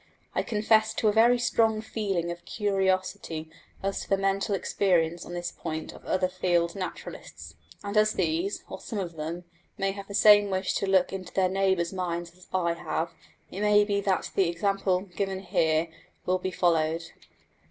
I confess to a very strong feeling of curiosity as to the mental experience on this point of other field naturalists; and as these, or some of them, may have the same wish to look into their neighbours' minds that I have, it may be that the example given here will be followed.